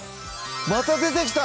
また出てきた！